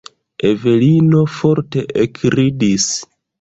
Evelino forte ekridis.